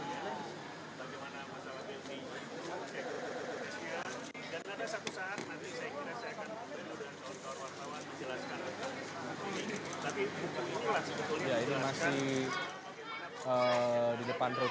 jadi itu adalah masalah blbi sendiri